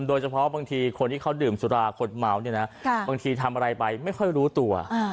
โดยเฉพาะบางทีคนที่เขาดื่มสุราคนเมาเนี่ยนะบางทีทำอะไรไปไม่ค่อยรู้ตัว